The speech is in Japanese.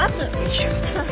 いや。